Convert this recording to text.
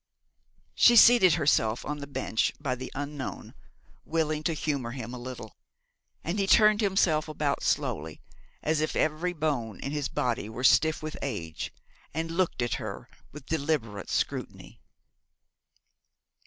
She seated herself on the bench by the unknown, willing to humour him a little; and he turned himself about slowly, as if every bone in his body were stiff with age, and looked at her with a deliberate scrutiny.